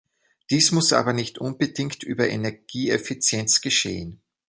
Dies muss aber nicht unbedingt über Energieeffizienz geschehen.